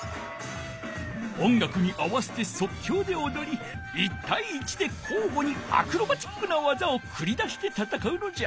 音楽に合わせてそっきょうでおどり１対１でこうごにアクロバティックなわざをくりだしてたたかうのじゃ！